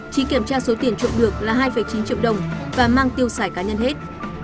trí kiểm tra số tiền trộm được là hai chín triệu đồng và mang tiêu sải cá nhân hết